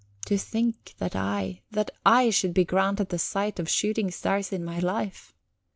To think that I that I should be granted the sight of shooting stars in my life!